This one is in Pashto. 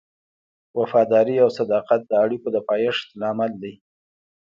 وفاداري او صداقت د اړیکو د پایښت لامل دی.